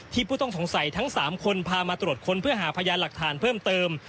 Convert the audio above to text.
ผู้ต้องสงสัยทั้ง๓คนพามาตรวจค้นเพื่อหาพยานหลักฐานเพิ่มเติม